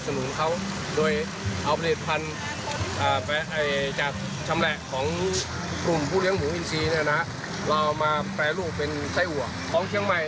ตัวแรกของกลุ่มผู้เลือดหมูอินซีเรามาแปลรูปเป็นไส้อัวของเชียงใหม่